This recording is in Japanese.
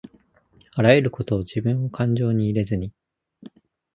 あらゆることをじぶんをかんじょうに入れずに